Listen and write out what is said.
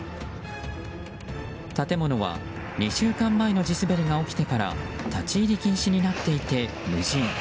建物は２週間前の地滑りが起きてから立ち入り禁止になっていて無人。